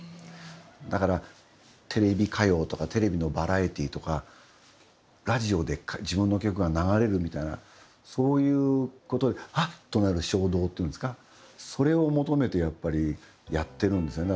だから、テレビ歌謡とかテレビのバラエティーとかラジオで自分の曲が流れるみたいな、そういうことではっとなる衝動っていうんですかそれを求めてやっぱりやってるんですよね。